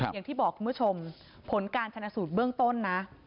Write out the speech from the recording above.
อย่างที่บอกคุณผู้ชมผลการชนะสูตรเบื้องต้นนะ